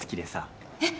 えっ？